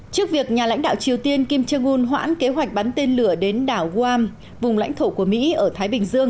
trước việc nhà lãnh đạo triều tiên kim jong un hoãn kế hoạch bắn tên lửa đến đảo wam vùng lãnh thổ của mỹ ở thái bình dương